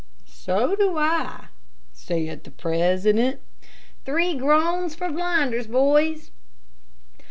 "So do I," said the president. "Three groans for blinders, boys."